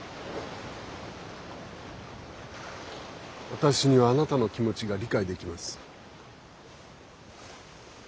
私にはあなたの気持ちが理解できます。